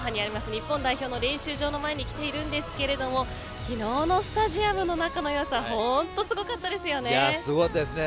日本代表の練習場の前に来ているんですけれども昨日のスタジアムの中の様子はいやすごかったですね。